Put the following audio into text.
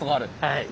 はい。